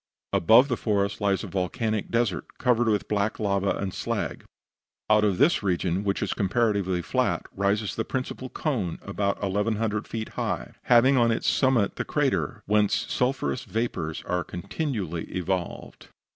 Above the forest lies a volcanic desert, covered with black lava and slag. Out of this region, which is comparatively flat rises the principal cone, about 1,100 feet in height, having on its summit the crater, whence sulphurous vapors are continually evolved.